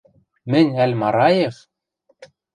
Мӹнь ӓль Мараев?!.